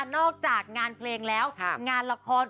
นอกจากงานเพลงแล้วงานละคร